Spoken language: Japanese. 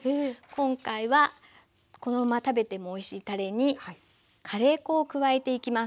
今回はこのまま食べてもおいしいたれにカレー粉を加えていきます。